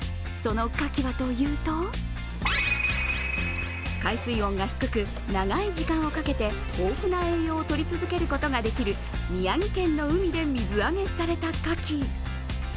その、かきはというと海水温が低く、長い時間をかけて豊富な栄養をとり続けることができる宮城県の海で水揚げされたかき。